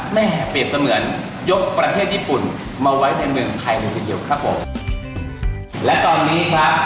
เปรียบเสมือนยกประเทศญี่ปุ่นมาไว้ในเมืองไทยเลยทีเดียวครับผมและตอนนี้ครับ